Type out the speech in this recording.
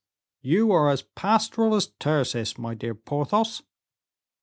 "You are as pastoral as Tyrcis, my dear Porthos."